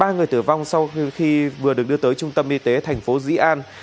ba người tử vong sau khi vừa được đưa tới trung tâm y tế thành phố dĩ an